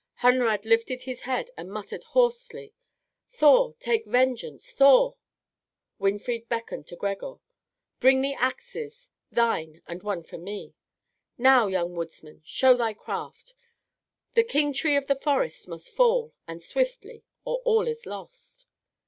Hunrad lifted his head and muttered hoarsely, "Thor! take vengeance! Thor!" Winfried beckoned to Gregor. "Bring the axes, thine and one for me. Now, young woodsman, show thy craft! The king tree of the forest must fall, and swiftly, or all is lost!"